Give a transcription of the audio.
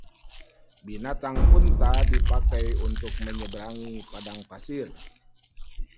binatang unta dipakai untuk menyeberangi padang pasir